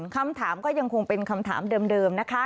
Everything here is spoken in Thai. คำถามก็ยังคงเป็นคำถามเดิมนะคะ